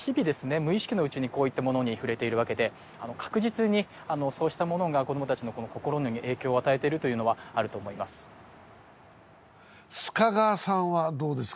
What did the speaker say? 無意識のうちにこういったものに触れているわけで確実にあのそうしたものが子どもたちの心に影響を与えているというのはあると思います須賀川さんはどうですか？